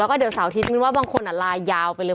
แล้วก็เดี๋ยวเสาร์อาทิตย์มินว่าบางคนลายาวไปเลย